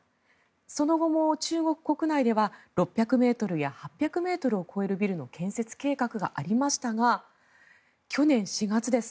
その後も中国国内では６００ｍや８００ｍを超えるビルの建設計画がありましたが去年４月です。